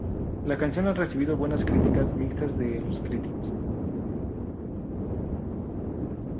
La canción ha recibido buenas críticas mixtas de los críticos.